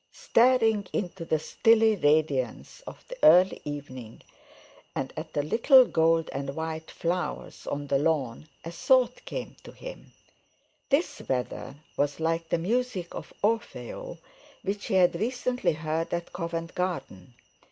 Staring into the stilly radiance of the early evening and at the little gold and white flowers on the lawn, a thought came to him: This weather was like the music of "Orfeo," which he had recently heard at Covent Garden.